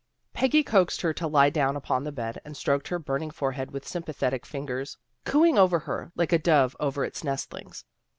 Peggy coaxed her to lie down upon the bed, and stroked her burning forehead with sympathetic fingers, cooing over her like a dove over its nestlings.